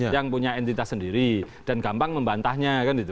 yang punya entitas sendiri dan gampang membantahnya